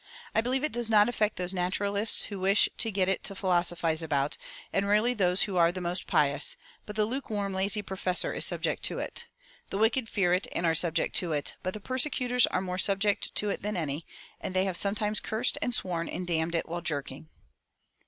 I believe it does not affect those naturalists who wish to get it to philosophize about it; and rarely those who are the most pious; but the lukewarm, lazy professor is subject to it. The wicked fear it and are subject to it; but the persecutors are more subject to it than any, and they have sometimes cursed and sworn and damned it while jerking."